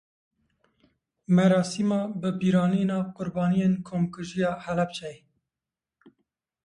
Merasîma bibîranîna qurbaniyên Komkujiya Helebceyê.